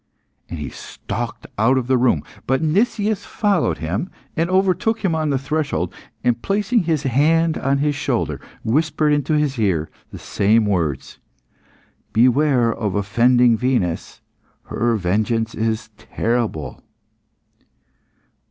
And he stalked out of the room. But Nicias followed him, and overtook him on the threshold, and placing his hand on his shoulder whispered into his ear the same words "Beware of offending Venus; her vengeance is terrible."